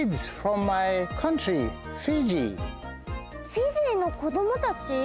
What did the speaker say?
フィジーの子どもたち？